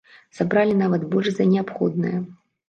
Сабралі нават больш за неабходнае.